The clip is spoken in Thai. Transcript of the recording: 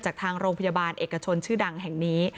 จากทางโรงพยาบาลเอกชนชื่อดังแห่งนี้